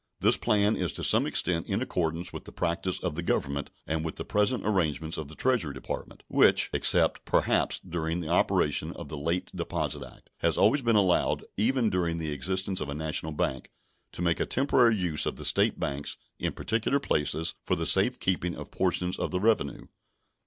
This plan is to some extent in accordance with the practice of the Government and with the present arrangements of the Treasury Department, which, except, perhaps, during the operation of the late deposit act, has always been allowed, even during the existence of a national bank, to make a temporary use of the State banks in particular places for the safe keeping of portions of the revenue.